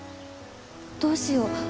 どうしよう？